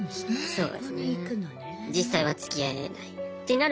そう。